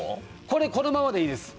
これこのままでいいです。